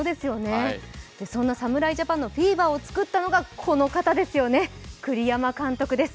そんな侍ジャパンのフィーバーを作ったのがこの方ですよね、栗山監督です。